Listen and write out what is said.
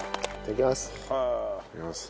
いただきます。